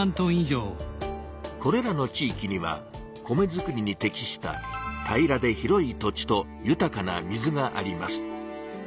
これらの地いきには米づくりに適した平らで広い土地と豊かな水があります。